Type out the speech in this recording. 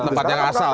tempat yang asal